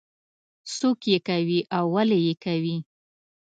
څوک یې کوي او ولې یې کوي.